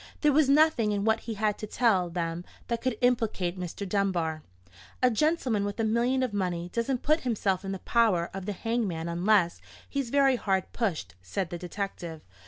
There was nothing in what he had to tell them that could implicate Mr. Dunbar. "A gentleman with a million of money doesn't put himself in the power of the hangman unless he's very hard pushed," said the detective.